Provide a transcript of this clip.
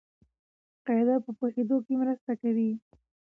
قاعده په پوهېدو کښي مرسته کوي.